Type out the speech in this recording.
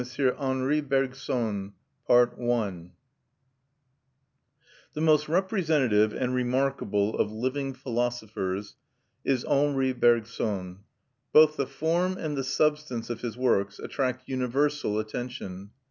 HENRI BERGSON The most representative and remarkable of living philosophers is M. Henri Bergson. Both the form and the substance of his works attract universal attention.